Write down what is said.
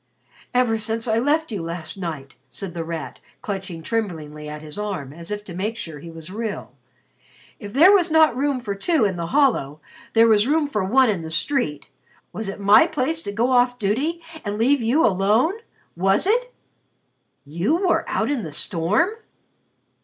"Ever since I left you last night," said The Rat clutching tremblingly at his arm as if to make sure he was real. "If there was not room for two in the hollow, there was room for one in the street. Was it my place to go off duty and leave you alone was it?" "You were out in the storm?"